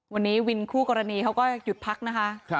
วันนี้วินคู่กรณีเขาก็หยุดพักนะคะ